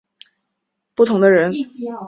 无神论者是指不相信神的人。